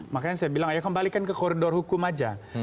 makanya saya bilang ayo kembalikan ke koridor hukum aja